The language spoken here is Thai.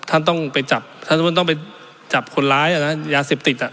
ท่านต้องไปจับท่านต้องไปจับคนร้ายอ่ะนะยาเสพติดอ่ะ